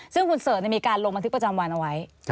ซึ่งคุณเสิร์ชมีการลงบันทึกประจำวันเอาไว้